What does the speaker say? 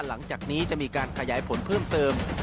หลังจากนี้จะมีการขยายผลเพิ่มเติม